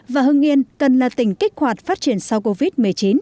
và hưng yên cần là tỉnh kích hoạt phát triển sau covid một mươi chín